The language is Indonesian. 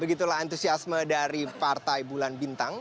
begitulah antusiasme dari partai bulan bintang